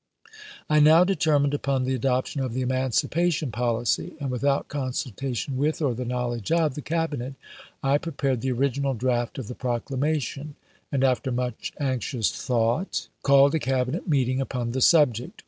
I now determined upon the adoption of the emancipation policy ; and without consultation with, or the knowledge of, the Cabinet, I prepared the original draft of the proclamation, and after much anxious thought, EMANCIPATION PKOPOSED AND POSTPONED 129 called a Cabinet meeting upon the subject.